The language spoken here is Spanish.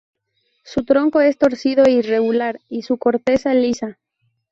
Su tronco es torcido e irregular y su corteza lisa.